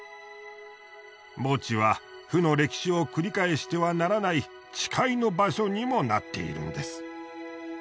墓地は負の歴史を繰り返してはならない誓いの場所にもなっているんです。